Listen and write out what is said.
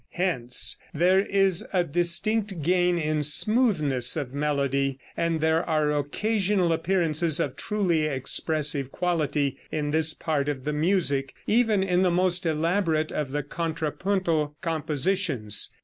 Hence there is a distinct gain in smoothness of melody, and there are occasional appearances of truly expressive quality in this part of the music, even in the most elaborate of the contrapuntal compositions.